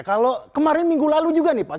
kalau kemarin minggu lalu juga nih pak